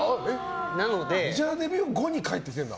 メジャーデビュー後に帰ってきてるんだ。